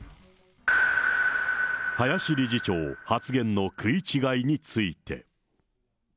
林理事長、発言の食い違いについて。